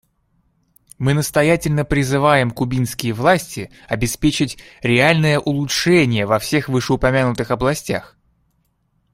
Мы настоятельно призываем кубинские власти обеспечить реальное улучшение во всех вышеупомянутых областях.